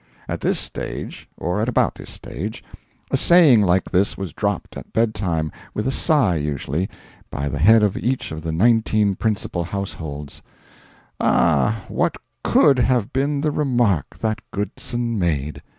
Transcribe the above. At this stage or at about this stage a saying like this was dropped at bedtime with a sigh, usually by the head of each of the nineteen principal households: "Ah, what COULD have been the remark that Goodson made?"